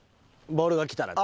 ボールが来たら。